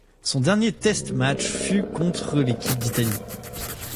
Son dernier test match fut contre l'équipe d'Italie.